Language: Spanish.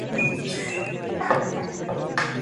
En algunos ejemplos, la mujer puede defenderse.